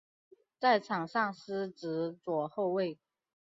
在场上司职左后卫。